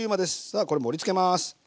さあこれ盛りつけます。